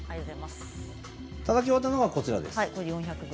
こちらです。